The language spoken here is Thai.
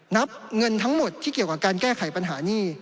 นับเงินทั้งหมดที่เกี่ยวกับการแก้ไขปัญหานี่